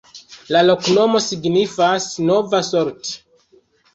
La loknomo signifas: nova-Solt.